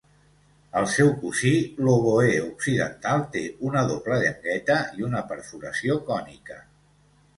El seu cosí, l'oboè occidental, té una doble llengüeta i una perforació cònica.